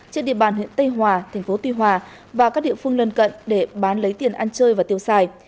trên địa bàn huyện tây hòa thành phố tuy hòa và các địa phương lân cận để bán lấy tiền ăn chơi và tiêu xài